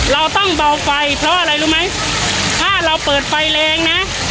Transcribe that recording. เราต้องเบาไฟเพราะอะไรรู้ไหมถ้าเราเปิดไฟแรงนะ